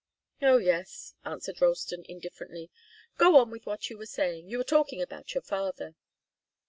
"Oh yes," answered Ralston, indifferently. "Go on with what you were saying. You were talking about your father."